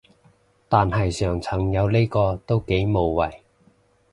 但係上層有呢個都幾無謂